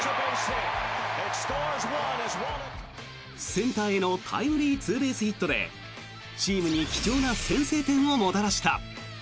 センターへのタイムリーツーベースヒットでチームに貴重な先制点をもたらした。